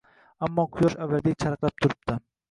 ammo Quyosh avvalgidek charaqlab turibdi